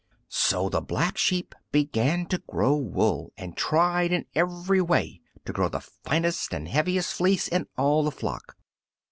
So the Black Sheep began to grow wool, and tried in every way to grow the finest and heaviest fleece in all the flock.